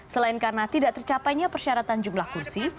selain karena tidak tercapainya persyaratan jumlah kursi